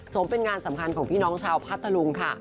เป็นงานสำคัญของพี่น้องชาวพัทธลุงค่ะ